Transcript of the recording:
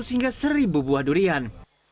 sehingga seribu buah durian